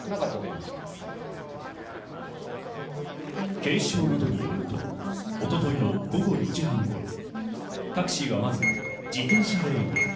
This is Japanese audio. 警視庁などによると、一昨日の午後４時半頃、タクシーはまず自転車レーンに。